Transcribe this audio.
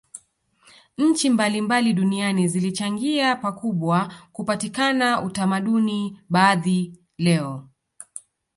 Nchi mbalimbali duniani zilichangia pakubwa kupatikana utamaduni baadhi leo